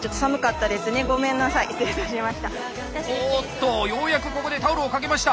おっとようやくここでタオルをかけました！